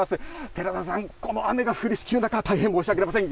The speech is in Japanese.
寺田さん、この雨が降りしきる中、大変申し訳ありません。